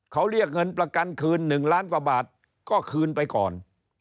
เขาเรียกเงินประกันคืน๑ล้านกว่าบาทก็คืนไปก่อน